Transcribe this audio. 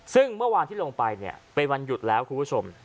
ซึ่งเมื่อวานที่ลงไปเนี่ยเป็นวันหยุดแล้วคุณผู้ชม